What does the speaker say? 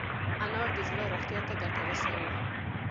انار د زړه روغتیا ته ګټه رسوي.